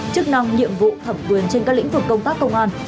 chức năng nhiệm vụ thẩm quyền trên các lĩnh vực công tác công an